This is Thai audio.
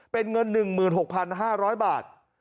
เป็นเงิน๑๖๕๐๐บาท